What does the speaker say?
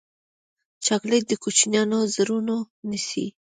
چاکلېټ د کوچنیانو زړونه نیسي.